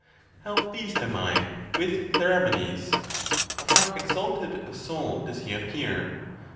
How pleased am I with Theramenes! Of how ex alted a soul does he appear!